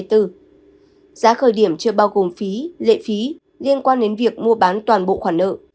giá khởi điểm chưa bao gồm phí lệ phí liên quan đến việc mua bán toàn bộ khoản nợ